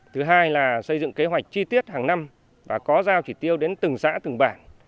thứ hai là xây dựng kế hoạch chi tiết hàng năm và có giao chỉ tiêu đến từng xã từng bản